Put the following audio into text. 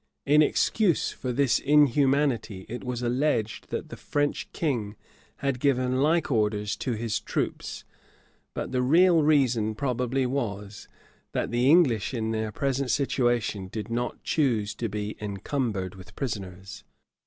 In excuse for this inhumanity, it was alleged that the French king had given like orders to his troops; but the real reason probably was, that the English, in their present situation, did not choose to be encumbered with prisoners.